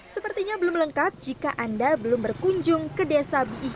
sepertinya belum lengkap jika anda belum berkunjung ke desa biih